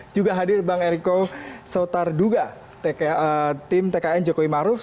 juga hadir bang eriko sotarduga tim tkn jokowi maruf